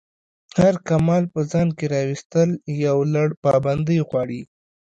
هر کمال په ځان کی راویستل یو لَړ پابندی غواړی.